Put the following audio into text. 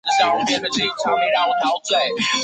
这两个神的观念与以前的摩尼教是一样的。